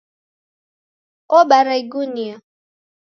Obara igunia